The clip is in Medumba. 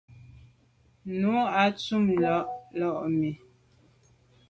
Nu à tu àm la mi.